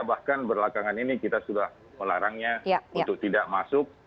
bahkan belakangan ini kita sudah melarangnya untuk tidak masuk